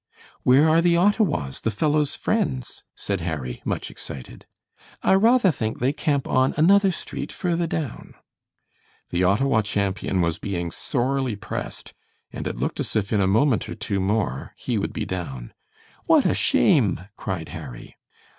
"Where are the Ottawas the fellow's friends?" said Harry, much excited. "I rather think they camp on another street further down." The Ottawa champion was being sorely pressed, and it looked as if in a moment or two more he would be down. "What a shame!" cried Harry.